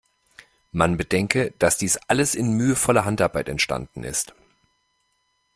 Man bedenke, dass dies alles in mühevoller Handarbeit entstanden ist.